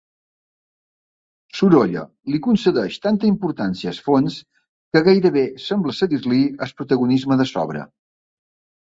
Sorolla li concedeix tanta importància al fons que gairebé sembla cedir-li el protagonisme de l'obra.